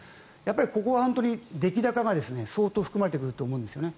ここは本当に出来高が相当含まれてくると思うんですよね。